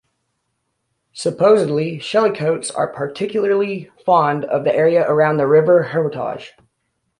Supposedly, shellycoats are particularly fond of the area around the River Hermitage.